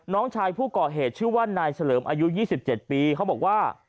น้องชายผู้ก่อเหตุชื่อว่านายเฉลิมอายุ๒๗ปีเขาบอกว่า